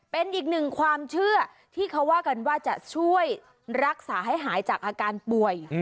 เป็นอีกหนึ่งความเชื่อที่เขาว่ากันว่าจะช่วยรักษาให้หายจากอาการป่วย